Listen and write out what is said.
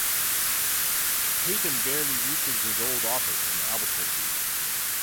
Tatum barely reaches his old office in Albuquerque.